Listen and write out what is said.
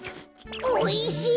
おいしい！